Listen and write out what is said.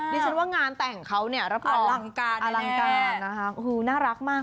ซึ่งฉันว่างานแต่งเขาอลังการน่ารักมาก